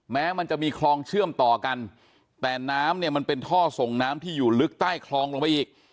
แม้มันจะมีคลองเชื่อมต่อกันแต่น้ำเนี่ยมันเป็นท่อส่งน้ำที่อยู่ลึกใต้คลองลงไปอีก